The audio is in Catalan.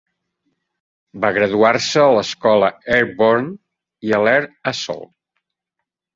Va graduar-se a l'escola Airborne i a l'Air Assault.